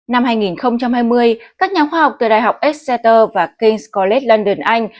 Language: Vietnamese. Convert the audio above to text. năm hai nghìn hai mươi các nhà khoa học từ đại học exeter và king s college london anh